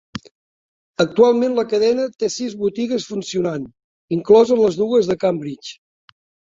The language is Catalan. Actualment la cadena té sis botigues funcionant, incloses les dues de Cambridge.